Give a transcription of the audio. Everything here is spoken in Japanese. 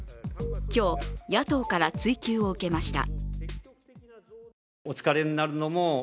今日野党から追及を受けました。